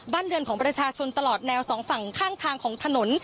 บ้านเรือนของประชาชนตลอดแนวสองฝั่งข้างทางของถนน